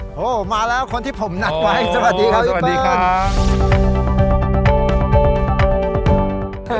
โหมาแล้วคนที่ผมนัดไว้สวัสดีครับพี่ปุ้ยครับ